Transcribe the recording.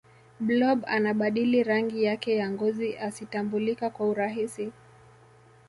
blob anabadili rangi yake ya ngozi asitambulika kwa urahisi